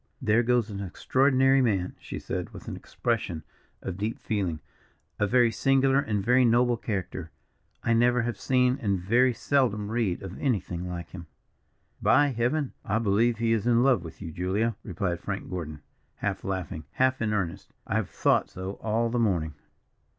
"There goes an extraordinary man," she said, with an expression of deep feeling. "A very singular, and very noble character. I never have seen and very seldom read of anything like him." "By Heaven! I believe he is in love with you, Julia," replied Frank Gordon, half laughing, half in earnest. "I have thought so all the morning."